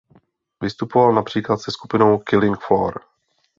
Vystupoval například se skupinou Killing Floor.